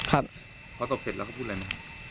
และตบเสร็จแล้วพูดอะไรสิ